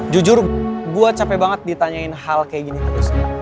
jujur gue capek banget ditanyain hal kayak gini terus